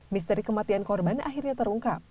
misteri kematian korban akhirnya terungkap